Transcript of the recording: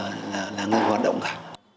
không bao giờ là người hoạt động cả